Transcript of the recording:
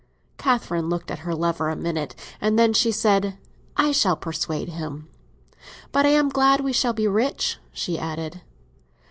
Catherine looked at her lover a minute, and then she said, "I shall persuade him. But I am glad we shall be rich," she added.